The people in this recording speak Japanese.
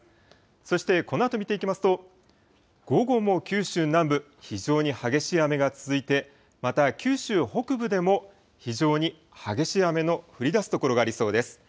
そしてこのあと見ていきますと、午後も九州南部、非常に激しい雨が続いて、また、九州北部でも非常に激しい雨の降りだす所がありそうです。